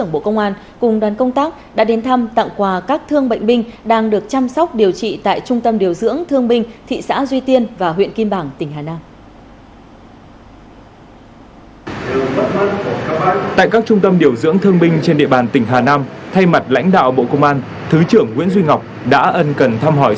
bộ công an bộ quốc phòng và bộ ngoại giao trong công tác tiếp nhận bảo vệ và hỗ trợ nạn nhân bị mùa ván